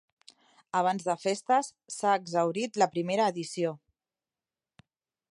Abans de festes s'ha exhaurit la primera edició.